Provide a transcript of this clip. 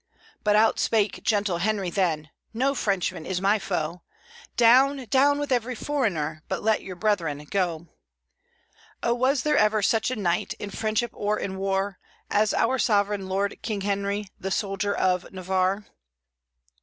But out spake gentle Henry then: 'No Frenchman is my foe; Down, down with every foreigner, but let your brethren go!' Oh, was there ever such a knight, in friendship or in war, As our sovereign lord, King Henry, the soldier of Navarre?"